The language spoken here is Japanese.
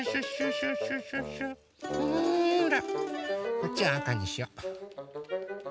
こっちはあかにしよう。